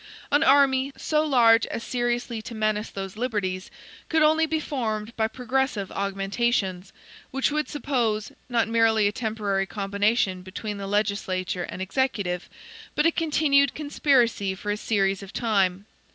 An army, so large as seriously to menace those liberties, could only be formed by progressive augmentations; which would suppose, not merely a temporary combination between the legislature and executive, but a continued conspiracy for a series of time.